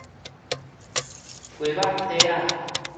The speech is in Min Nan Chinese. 雞肉塊仔